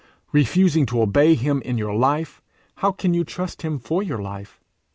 Refusing to obey him in your life, how can you trust him for your life?